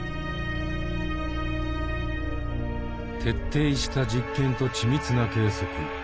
徹底した実験と緻密な計測。